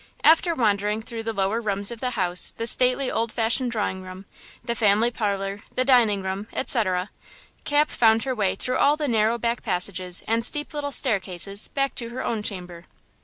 After wandering through the lower rooms of the house the stately, old fashioned drawing room, the family parlor, the dining room, etc., Cap found her way through all the narrow back passages and steep little staircases back to her own chamber.